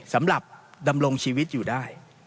สำหรับดำรงชีวิตอยู่ได้